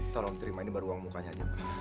tolong terima ini baru uang mukanya aja pak